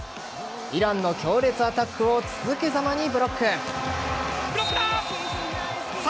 イランの強烈アタックを続けざまにブロック。